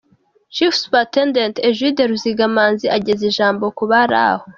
Chief Superintendent Egide Ruzigamanzi ageza ijambo ku bari aho.